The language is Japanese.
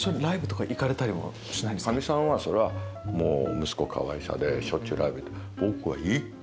かみさんは息子かわいさでしょっちゅうライブ行って。